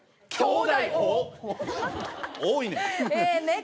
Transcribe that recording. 多いねん。